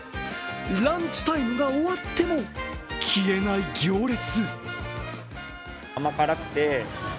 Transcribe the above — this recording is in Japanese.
ランチタイムが終わっても消えない行列。